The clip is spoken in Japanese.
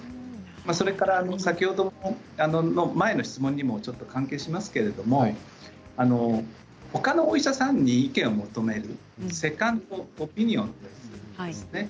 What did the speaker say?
それから先ほど前の質問にもちょっと関係しますけれどほかのお医者さんに意見を求めるセカンドオピニオンですね。